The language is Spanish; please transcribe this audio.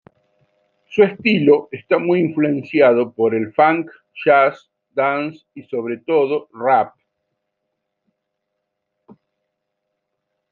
Su estilo está muy influenciado por el funk, jazz, dance y sobre todo rap.